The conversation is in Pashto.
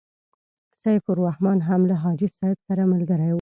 سیف الرحمن هم له حاجي صاحب سره ملګری وو.